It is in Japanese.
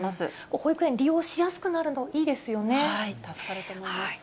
保育園、利用しやすくなるの、助かると思います。